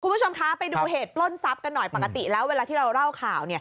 คุณผู้ชมคะไปดูเหตุปล้นทรัพย์กันหน่อยปกติแล้วเวลาที่เราเล่าข่าว